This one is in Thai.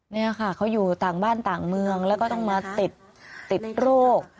นี่ค่ะเขาอยู่ต่างบ้านต่างเมืองแล้วก็ต้องมาติดโรค